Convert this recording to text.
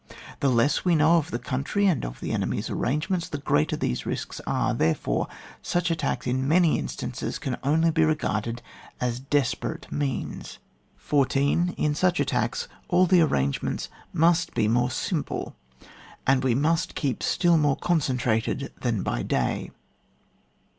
The less we know of the coimtry and of the enemy's arrangements, the greater these risks are ; therefore, such attacks, in many instances, can only be regarded as desperate means. 14. In such attacks, aU the arrange ments must be more simple, and we must keep still more concentrated than by day.